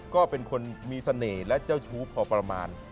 ก็เป็นคนมีเสน่ห์และเจ้าชู้พอประมาณ